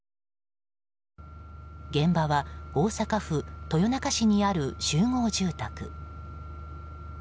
現場は大阪府豊中市にある集合住宅。